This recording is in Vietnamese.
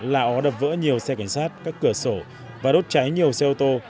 lạ ó đập vỡ nhiều xe cảnh sát các cửa sổ và đốt cháy nhiều xe ô tô